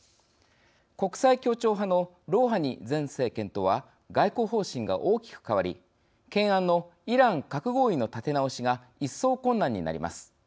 国際協調派のロウハニ前政権とは外交方針が大きく変わり懸案のイラン核合意の立て直しが一層、困難になります。